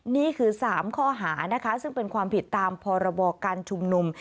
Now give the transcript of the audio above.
นี่คือ๓ข้อหานะคะซึ่งเป็นความผิดตามพรบการชุมนุม